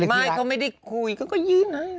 ไม่เขาไม่ได้คุยเขาก็ยื่นให้